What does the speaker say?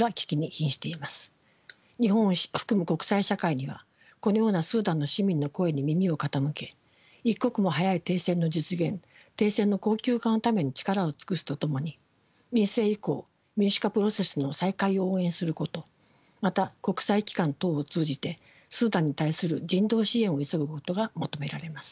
日本を含む国際社会にはこのようなスーダンの市民の声に耳を傾け一刻も早い停戦の実現停戦の恒久化のために力を尽くすとともに民政移行民主化プロセスの再開を応援することまた国際機関等を通じてスーダンに対する人道支援を急ぐことが求められます。